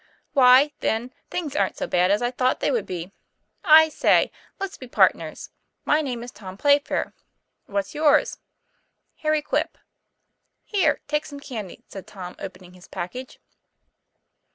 ' Why, then, things aren't so bad as I thought they would be. I say, let's be partners. My name is Tommy Playfair: What's yours?" "Harry Quip." 'Here, take some candy," said Tom, opening his package.